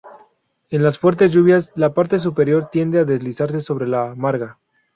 En las fuertes lluvias, la parte superior tiende a deslizarse sobre la marga.